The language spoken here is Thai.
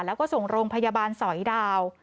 แล้วก็ส่งโรงพยาบาลสอยดาว